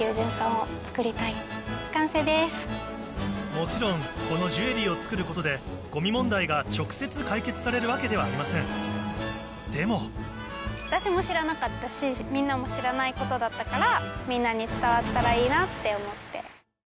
もちろんこのジュエリーを作ることでゴミ問題が直接解決されるわけではありませんでも私も知らなかったしみんなも知らないことだったから。